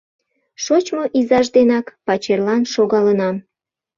Шочмо изаж денак пачерлан шогалынам.